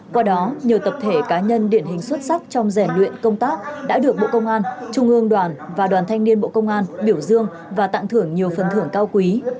qua đó nhiều tập thể cá nhân điển hình xuất sắc trong rèn luyện công tác đã được bộ công an trung ương đoàn và đoàn thanh niên bộ công an biểu dương và tặng thưởng nhiều phần thưởng cao quý